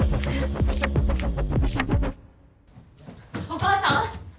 お母さん！